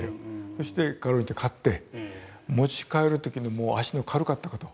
そして画廊行って買って持ち帰る時にもう足の軽かったこと。